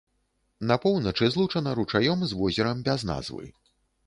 На поўначы злучана ручаём з возерам без назвы.